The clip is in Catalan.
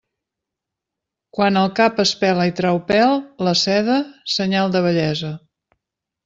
Quan el cap es pela i trau pèl la seda, senyal de vellesa.